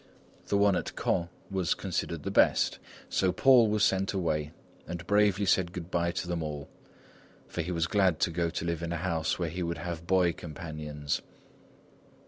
The one at Caën was considered the best. So Paul was sent away and bravely said good bye to them all, for he was glad to go to live in a house where he would have boy companions.